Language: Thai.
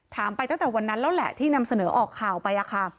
ไปตั้งแต่วันนั้นแล้วแหละที่นำเสนอออกข่าวไป